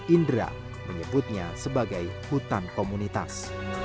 indra menyebutnya sebagai hutan komunitas